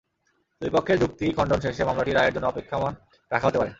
দুই পক্ষের যুক্তি খণ্ডন শেষে মামলাটি রায়ের জন্য অপেক্ষমাণ রাখা হতে পারে।